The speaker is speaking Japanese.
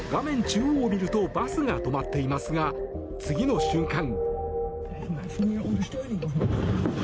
中央を見るとバスが止まっていますが次の瞬間。